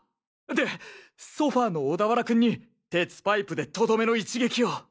でソファの小田原君に鉄パイプでとどめの一撃を。